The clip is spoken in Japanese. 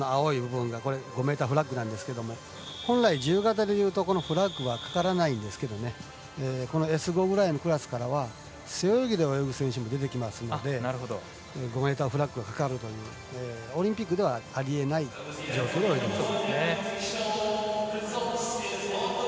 本来、自由形でいうとフラッグはかからないんですがこのＳ５くらいのクラスからは背泳ぎで泳ぐ選手も出てきますので５ｍフラッグがかかるというオリンピックではあり得ない状況です。